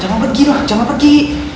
jangan pergi lah jangan pergi